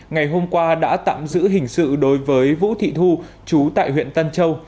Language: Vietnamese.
ngày hôm qua đã tạm giữ hình sự đối với vũ thị thu chú tại huyện tân châu